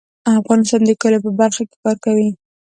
افغانستان د کلیو په برخه کې کار کوي.